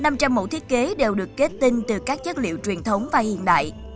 năm trăm linh mẫu thiết kế đều được kết tinh từ các chất liệu truyền thống và hiện đại